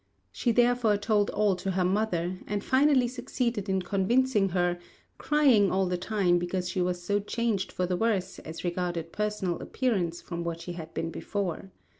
She therefore told all to her mother, and finally succeeded in convincing her, crying all the time because she was so changed for the worse as regarded personal appearance from what she had been before.